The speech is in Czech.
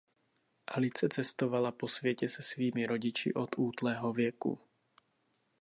Alice cestovala po světě se svými rodiči od útlého věku.